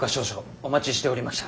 お待ちしておりました。